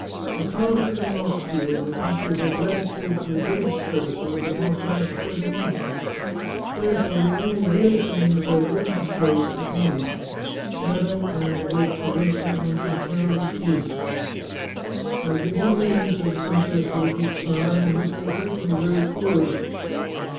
And how should they not steal, in a country where gratitude for the greatest services does not last quite a month ? Therefore the only real thing which outlives disgrace is money. Madam, I am about to venture on some terrible truths." " I give you leave," said the princess with a deep sigh ;" and yet they hurt me cruelly